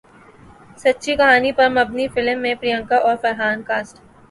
سچی کہانی پر مبنی فلم میں پریانکا اور فرحان کاسٹ